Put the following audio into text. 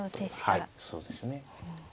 はいそうですね。